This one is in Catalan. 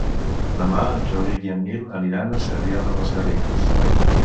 Demà en Rauric i en Nil aniran a Cervià de les Garrigues.